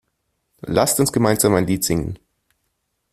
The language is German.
Lasst uns gemeinsam ein Lied singen!